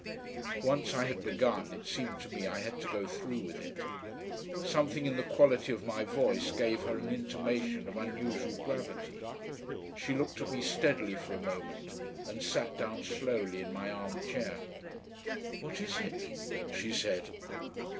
Once I had begun, it seemed to me I had to go through with it. Something in the quality of my voice gave her an intimation of unusual gravity. She looked at me steadily for a moment and sat down slowly in my armchair. "What is it?" she said.